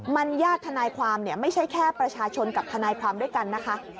มันญาติทนายความไม่ใช่แค่ประชาชนกับทนายความด้วยกันนะคะ